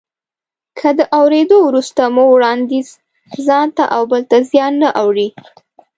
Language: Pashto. که د اورېدو وروسته مو وړانديز ځانته او بل ته زیان نه اړوي.